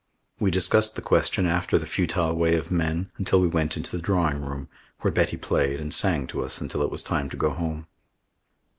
We discussed the question after the futile way of men until we went into the drawing room, where Betty played and sang to us until it was time to go home.